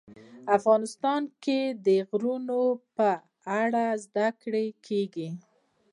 افغانستان کې د غرونه په اړه زده کړه کېږي.